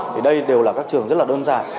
thì đây đều là các trường rất là đơn giản